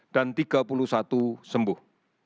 dan tiga puluh satu sembuh